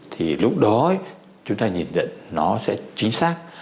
thì lúc đó chúng ta nhìn nhận nó sẽ chính xác